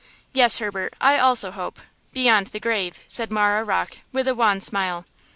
Yes, Herbert, I also hope–beyond the grave!" said Marah Rocke, with a wan smile.